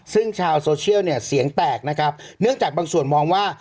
ซึ่งชาวโซเชียลเนี่ยเสียงแตกนะครับเนื่องจากบางส่วนมองว่า